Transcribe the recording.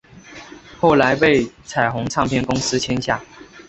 后来被彩虹唱片公司签下。